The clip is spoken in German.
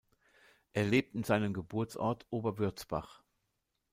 Er lebt in seinem Geburtsort Oberwürzbach.